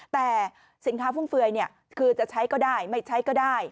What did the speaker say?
แต่สินค้าฟุ่มเฟือยคือจะใช้ก็ได้ไม่ใช้ก็ได้